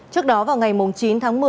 trước đó vào ngày chín tháng một mươi